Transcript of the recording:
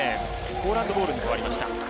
ポーランドボールに変わりました。